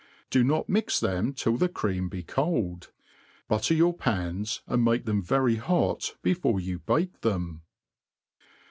Do not mix them till the cream be cold ; butte^ your pans^ and make them very hot before you bake them.